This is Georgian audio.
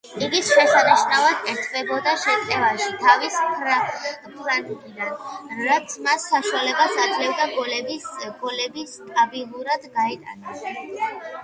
იგი შესანიშნავად ერთვებოდა შეტევაში თავისი ფლანგიდან, რაც მას საშუალებას აძლევდა გოლები სტაბილურად გაეტანა.